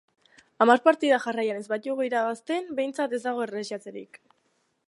Hamar partida jarraian irabazten ez baditugu behintzat, ez dago erlaxatzerik!